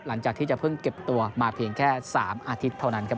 หลังจากที่จะเพิ่งเก็บตัวมาเพียงแค่๓อาทิตย์เท่านั้นครับ